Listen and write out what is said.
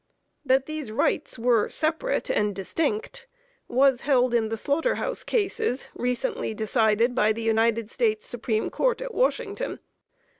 That these rights were separate and distinct, was held in the Slaughter House Cases recently decided by the United States Supreme Court at Washington.